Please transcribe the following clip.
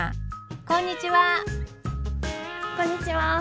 こんにちは！